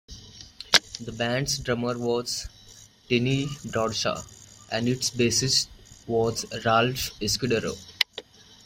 The band's drummer was Tiny Bradshaw and its bassist was Ralph Escudero.